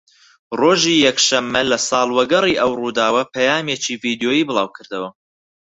ڕۆژی یەکشەمە لە ساڵوەگەڕی ئەو ڕووداوە پەیامێکی ڤیدۆیی بڵاوکردەوە